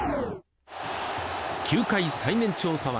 球界最年長左腕